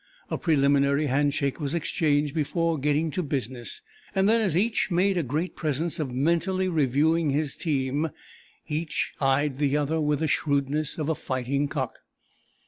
a preliminary hand shake was exchanged before "getting to business"; and then, as each made a great presence of mentally reviewing his team, each eyed the other with the shrewdness of a fighting cock.